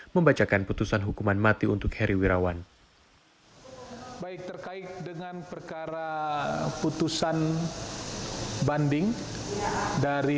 membacakan putusan hukuman mati untuk heri wirawan baik terkait dengan perkara putusan banding dari